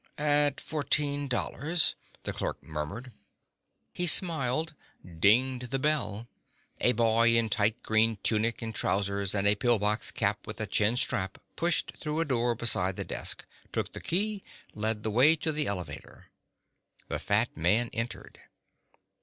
"... at fourteen dollars," the clerk murmured. He smiled, dinged the bell. A boy in tight green tunic and trousers and a pillbox cap with a chin strap pushed through a door beside the desk, took the key, led the way to the elevator. The fat man entered.